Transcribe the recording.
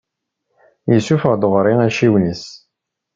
Yessufeɣ-d ɣur-i accaren-is.